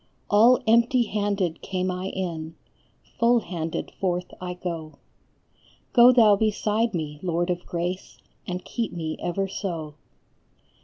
All empty handed came I in, full handed forth I go ; Go thou beside me, Lord of Grace, and keep me ever so.